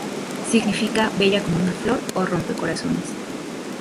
Significa "Bella como una flor" o "Rompe corazones".